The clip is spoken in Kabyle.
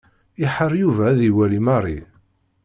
Iḥar Yuba ad iwali Mary.